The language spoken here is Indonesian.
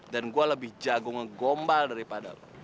dan gua lebih jago ngegombal daripada lo